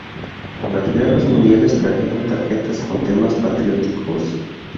Las guerras mundiales trajeron tarjetas con temas patrióticos.